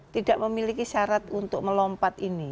tidak memiliki syarat untuk melompat ini